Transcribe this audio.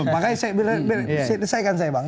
makanya saya selesaikan saya bang